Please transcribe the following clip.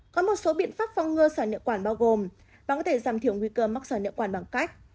có một số biện pháp phong ngừa sỏi nhựa quản bao gồm bạn có thể giảm thiểu nguy cơ mắc sỏi nhựa quản bằng cách